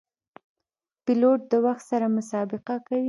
پیلوټ د وخت سره مسابقه کوي.